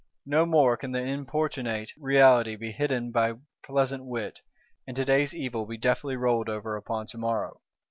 No more can the importunate reality be hidden by pleasant wit, and today's evil be deftly rolled over upon tomorrow.